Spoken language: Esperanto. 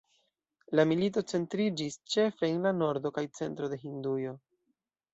La milito centriĝis ĉefe en la nordo kaj centro de Hindujo.